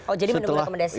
oh jadi menunggu rekomendasi